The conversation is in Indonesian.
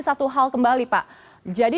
satu hal kembali pak jadi